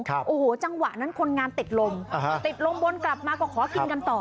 โอ้โหจังหวะนั้นคนงานติดลมอ่าฮะติดลมบนกลับมาก็ขอกินกันต่อ